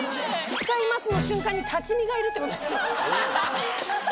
誓いますの瞬間に立ち見がいるってことですよ。